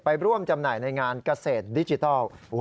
ร่วมจำหน่ายในงานเกษตรดิจิทัล